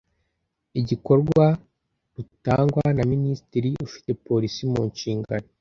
igikorwa rutangwa na minisitiri ufite polisi munshingano